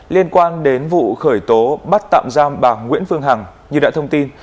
liên quan đến vụ khởi tố bắt tạm giam bà nguyễn phương hằng như đã thông tin